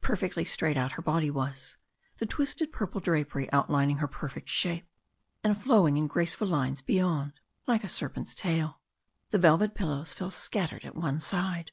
Perfectly straight out her body was, the twisted purple drapery outlining her perfect shape, and flowing in graceful lines beyond like a serpent's tail. The velvet pillows fell scattered at one side.